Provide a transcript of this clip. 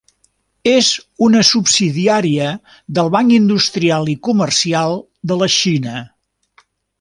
És una subsidiària del Banc Industrial i Comercial de la Xina.